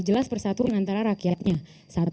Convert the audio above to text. jelas persatuan antara rakyatnya